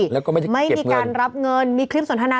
แล้วก็ไม่ได้เก็บเงินไม่นิการรับเงินมีคลิปสนทะนา